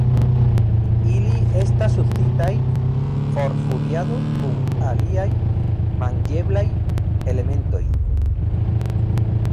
Ili estas uzitaj por kuriado kun aliaj manĝeblaj elementoj.